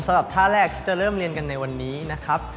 สำหรับท่าแรกที่จะเริ่มเรียนกันในวันนี้นะครับ